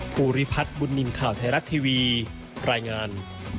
ภูริพัฒน์บุญนินทร์ข่าวไทยรัฐทีวีรายงาน